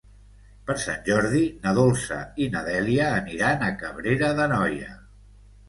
Per Sant Jordi na Dolça i na Dèlia aniran a Cabrera d'Anoia.